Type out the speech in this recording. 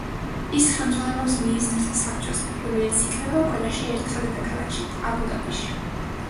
ის ხელმძღვანელობს მინისტრთა საბჭოს, რომელიც იკრიბება კვირაში ერთხელ დედაქალაქში, აბუ-დაბიში.